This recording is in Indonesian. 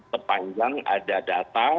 sepanjang ada data